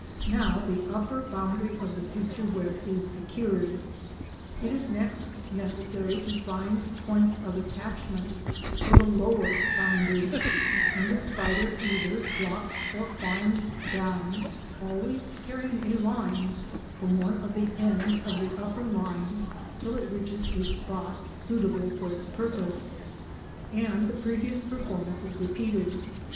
Now the upper boundary of the future web is secured. It is next necessary to find points of attachment for the lower boundary, and the spider either drops or climbs down—always carrying a line—from one of the ends of the upper line till it reaches a spot suitable for its purpose, and the previous performance is repeated.